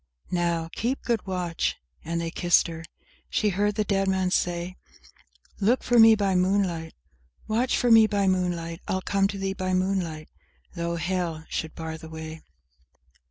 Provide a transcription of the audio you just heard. "Now, keep good watch!" and they kissed her. She heard the dead man say— Look for me by moonlight; Watch for me by moonlight; I'll come to thee by moonlight, though hell should bar the way!